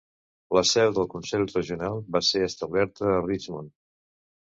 La seu del consell regional va ser establerta a Richmond.